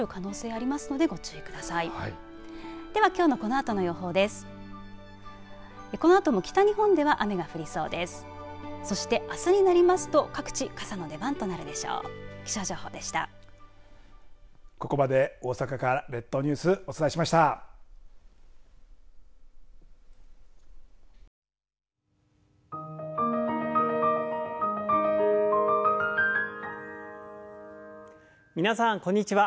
あと皆さんこんにちは。